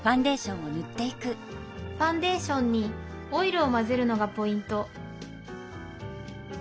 ファンデーションにオイルを混ぜるのがポイント